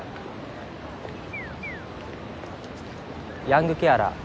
ヤングケアラー。